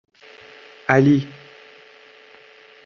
علی